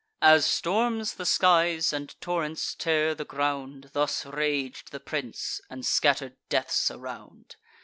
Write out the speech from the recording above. As storms the skies, and torrents tear the ground, Thus rag'd the prince, and scatter'd deaths around.